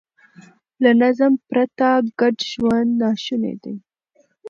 له نظم پرته ګډ ژوند ناشونی دی.